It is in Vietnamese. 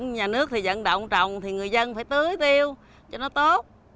nhà nước thì dẫn động trồng thì người dân phải tưới tiêu cho nó tốt